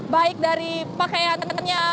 baik dari pakaiannya